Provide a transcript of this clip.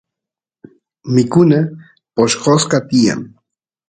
mikuna poshqoshqa tiyan